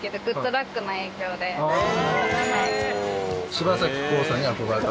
柴咲コウさんに憧れた？